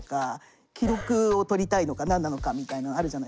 記録を取りたいのか何なのかみたいのあるじゃないですか。